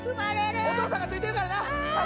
お父さんがついてるからなっ！